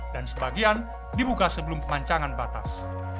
dan sebagian dibuka sebelum pemancangan batas